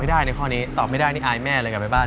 ได้ในข้อนี้ตอบไม่ได้นี่อายแม่เลยกลับไปบ้าน